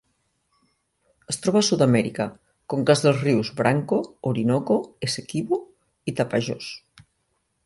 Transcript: Es troba a Sud-amèrica: conques dels rius Branco, Orinoco, Essequibo i Tapajós.